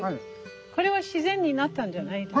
これは自然になったんじゃないでしょ？